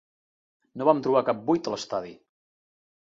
No vam trobar cap buit a l'estadi.